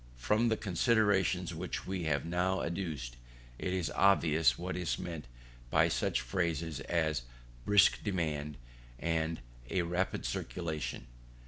From the considerations which we have now adduced, it is obvious what is meant by such phrases as a brisk demand, and a rapid circulation.